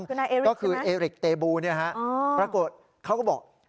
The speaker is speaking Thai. คือนายเอริกใช่ไหมก็คือเอริกเตบูนี่ฮะปรากฏเขาก็บอก